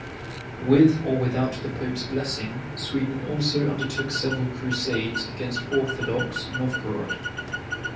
With or without the Pope's blessing, Sweden also undertook several crusades against Orthodox Novgorod.